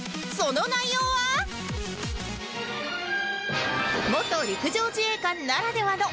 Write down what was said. その内容は？